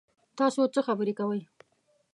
تاسو څوک خبرې کوي؟